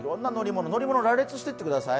乗り物を羅列していってください。